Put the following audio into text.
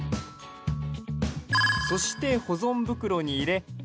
そして保存袋に入れ